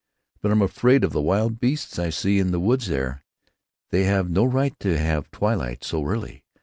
But I'm afraid of the wild beasts I see in the woods there. They have no right to have twilight so early.